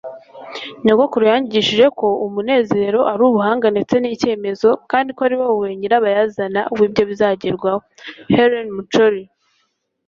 nyogokuru yanyigishije ko umunezero ari ubuhanga ndetse n'icyemezo, kandi ko ari wowe nyirabayazana w'ibyo bizagerwaho. - helen mccrory